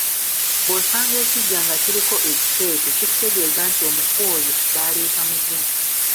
Bw’osanga ekiggya nga kiriko ekiteete kikutegeeza nti omufu oyo baleeta muzimu.